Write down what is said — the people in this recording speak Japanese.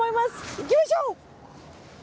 行きましょう！